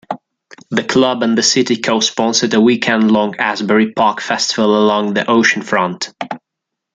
The club and the city co-sponsored a weekend-long Asbury Park Festival along the oceanfront.